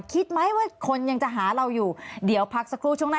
คิดไหมว่าคนยังจะหาเราอยู่เดี๋ยวพักสักครู่ช่วงหน้า